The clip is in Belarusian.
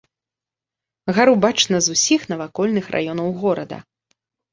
Гару бачна з усіх навакольных раёнаў горада.